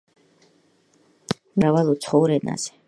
მისი ლექსები თარგმნილია მრავალ უცხოურ ენაზე.